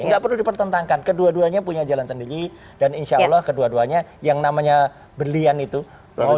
tidak perlu dipertentangkan kedua duanya punya jalan sendiri dan insya allah kedua duanya yang namanya berlian itu